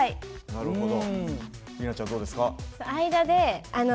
なるほど。